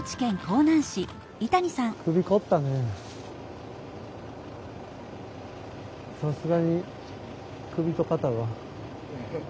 さすがに首と肩が。